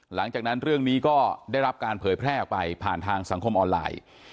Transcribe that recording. หลังจากนั้นเรื่องนี้ก็ได้รับการเผยแพร่ออกไปผ่านทางสังคมออนไลน์